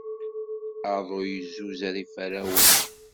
Aḍu yezzuzer iferrawen.